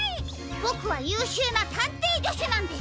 ボクはゆうしゅうなたんていじょしゅなんです。